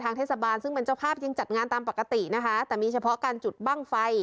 เทศบาลซึ่งเป็นเจ้าภาพยังจัดงานตามปกตินะคะแต่มีเฉพาะการจุดบ้างไฟ